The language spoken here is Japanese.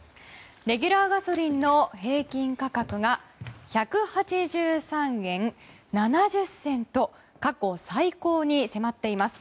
レギュラーガソリンの平均価格が１８３円７０銭と過去最高に迫っています。